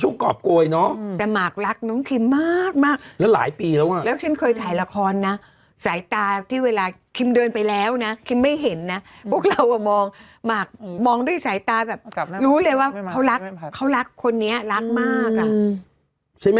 ใช่ไหมกลายเป็นประเด็นเรื่องราวแบบ